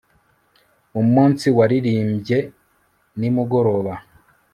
Umunsi waririmbye nimugoroba